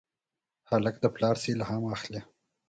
هلک له پلار نه الهام اخلي.